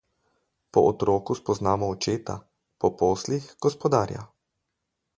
Po otroku spoznamo očeta, po poslih gospodarja.